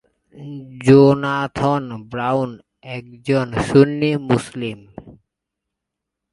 Jonathan Brown একজন সুন্নী মুসলিম।